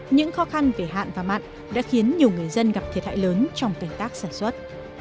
những khó khăn về hạn và mặn đã khiến nhiều người dân gặp thiệt hại lớn trong cảnh tác sản xuất